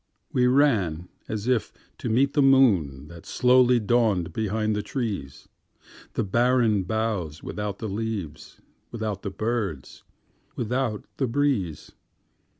We ran as if to meet the moonThat slowly dawned behind the trees, The barren boughs without the leaves, Without the birds, without the breeze.